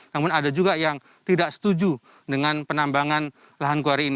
namun ada juga yang tidak setuju dengan penambangan batu andesit atau lahan kuweri ini